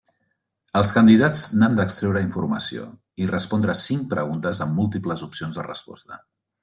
Els candidats n'han d'extreure informació i respondre cinc preguntes amb múltiples opcions de resposta.